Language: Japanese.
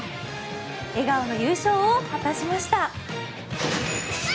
笑顔の優勝を果たしました。